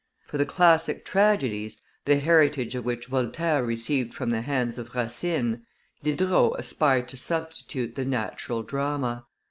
For the classic tragedies, the heritage of which Voltaire received from the hands of Racine, Diderot aspired to substitute the natural drama.